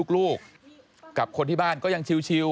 ลูกกับคนที่บ้านก็ยังชิว